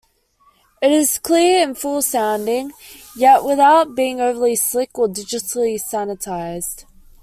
It's clear and full sounding, yet without being overly slick or digitally sanitized.